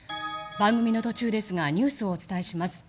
番組の途中ですがニュースをお伝えします。